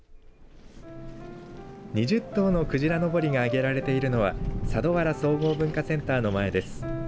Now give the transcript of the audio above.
２０頭のくじらのぼりが揚げられているのは佐土原総合文化センターの前です。